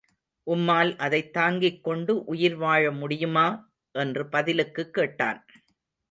உம்மால் அதைத் தாங்கிக் கொண்டு உயிர் வாழ முடியுமா? என்று பதிலுக்குக் கேட்டான்.